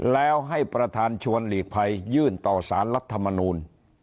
แล้วให้ประธานชวนหลีกภัยยื่นต่อสารรัฐมนูล